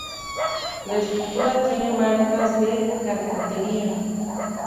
La estructura tiene marcas de carpintería.